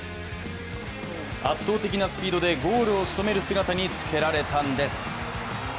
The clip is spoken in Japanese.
圧倒的なスピードでゴールをしとめる姿につけられたんです。